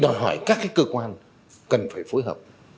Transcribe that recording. đòi hỏi các cơ quan cần phải phối hợp